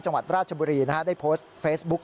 จังหวัดราชบุรีได้โพสต์เฟซบุ๊ค